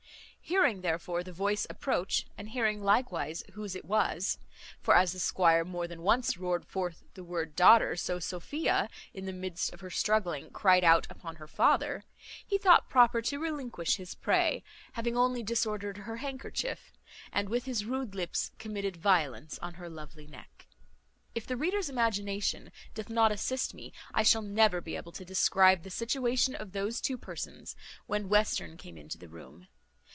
Hearing, therefore, the voice approach, and hearing likewise whose it was (for as the squire more than once roared forth the word daughter, so Sophia, in the midst of her struggling, cried out upon her father), he thought proper to relinquish his prey, having only disordered her handkerchief, and with his rude lips committed violence on her lovely neck. If the reader's imagination doth not assist me, I shall never be able to describe the situation of these two persons when Western came into the room.